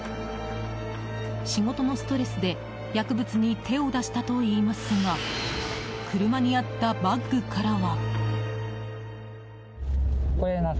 仕事のストレスで薬物に手を出したといいますが車にあったバッグからは。